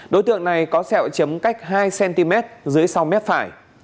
đối tượng này có sẹo chấm cách hai cm dưới sau mép phải